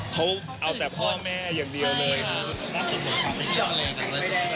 เขาเอาแต่พ่อแม่อย่างเดียวเลย